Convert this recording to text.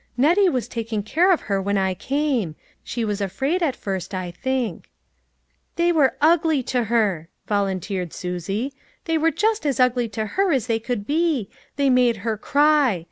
" Nettie 316 LITTLE FISHERS: AND THEIR NETS. was taking care of her when I came. She was afraid at first, I think." " They were ugly to her," volunteered Susie, " they were just as ugly to her as they could be ; they made her cry.